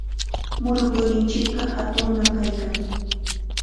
Murukuyninchikqa hatunnam kaykan.